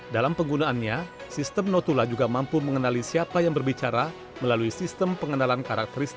dalam penggunaannya sistem notula juga mampu mengenali siapa yang berbicara melalui sistem pengenalan karakteristik